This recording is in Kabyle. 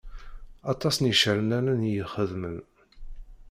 Aṭas n yicernanen i ixedem.